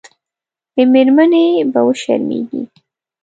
له مېرمنې به وشرمېږي.